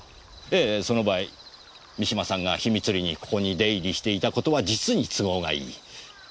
ええその場合三島さんが秘密裏にここに出入りしていたことは実に都合がいい。